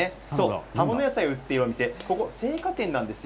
葉物野菜を売っているお店なんです。